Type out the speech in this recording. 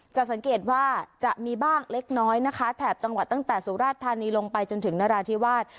จะสังเกตว่าจะมีบ้างเล็กน้อยนะคะแถบจังหวัดตั้งแต่สุราชธานีลงไปจนถึงนราธิวาส